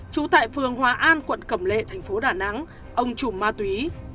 trú tại phường hòa an quận cẩm lệ thành phố đà nẵng ông chùm ma túy